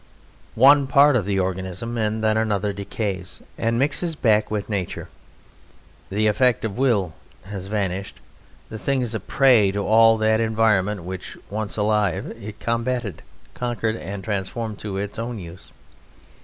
One part of the organism and then another decays and mixes back with nature. The effect of will has vanished. The thing is a prey to all that environment which, once alive, it combated, conquered, and transformed to its own use.